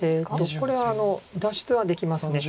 これは脱出はできます。